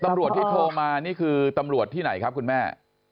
ตำรวจที่โทรมานี่คือตำรวจที่ไหนครับคุณแม่